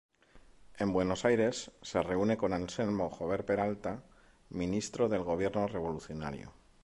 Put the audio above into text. En Buenos Aires, se reúne con Anselmo Jover Peralta, ministro del gobierno revolucionario.